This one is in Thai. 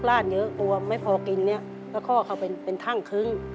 เพราะเขาเอาเข้าเป็นท่านคึ้ง